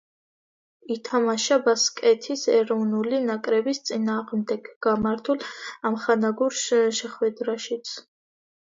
ითამაშა ბასკეთის ეროვნული ნაკრების წინააღმდეგ გამართულ ამხანაგურ შეხვედრაშიც.